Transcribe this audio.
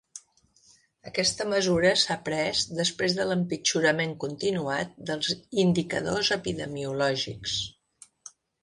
Aquesta mesura s’ha pres després de l’empitjorament continuat dels indicadors epidemiològics.